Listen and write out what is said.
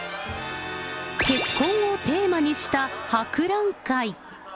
結婚をテーマにした博覧会。